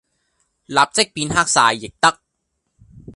立即變黑晒亦得